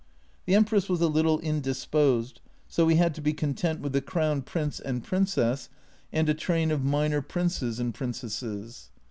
The Empress was a little indisposed, so we had to be content with the Crown Prince and A Journal from Japan 69 Princess and a train of minor Princes and Princesses.